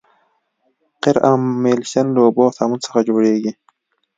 قیر املشن له اوبو او صابون څخه جوړیږي